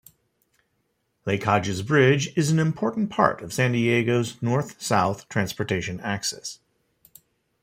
Lake Hodges Bridge is an important part of San Diego's North-South transportation axis.